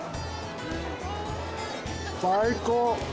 最高！